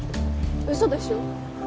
嘘でしょ？